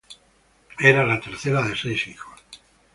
Era la tercera de seis hijos.